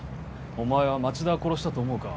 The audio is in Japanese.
お前は町田が殺したと思うか？